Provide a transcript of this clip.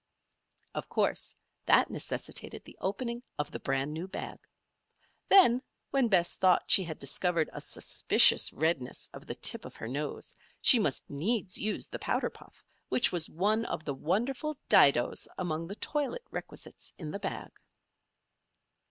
Of course, that necessitated the opening of the brand new bag. Then, when Bess thought she had discovered a suspicious redness of the tip of her nose, she must needs use the powder puff which was one of the wonderful "didos" among the toilet requisites in the bag.